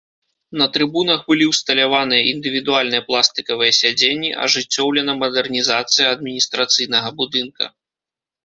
На трыбунах былі ўсталяваныя індывідуальныя пластыкавыя сядзенні, ажыццёўлена мадэрнізацыя адміністрацыйнага будынка.